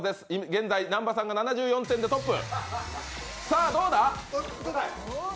現在南波さんが７４点でトップ。